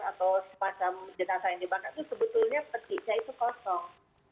atau semacam jenazah yang dibakar itu sebetulnya petinya itu kosong